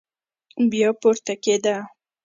بيا پورته کېده.